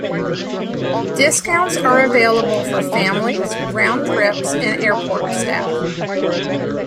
Discounts are available for families, round trips, and airport staff.